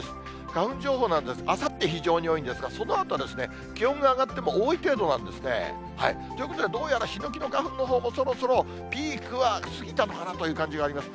花粉情報なんです、あさって非常に多いんですが、そのあとは気温が上がっても、多い程度なんですね。ということで、どうやらヒノキの花粉のほうも、そろそろピークは過ぎたのかなという感じがあります。